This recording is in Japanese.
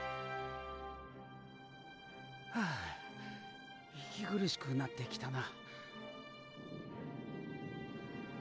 はあ息苦しくなってきたな。